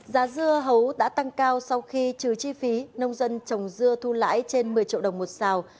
giá dưa hấu đã tăng cao sau khi trừ chi phí nông dân trồng dưa thu lãi trên một mươi triệu đồng một xào